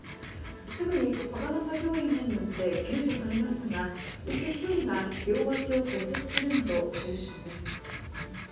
すぐに他の作業員らによって救助されましたがうち１人が両足を骨折するなど重傷です。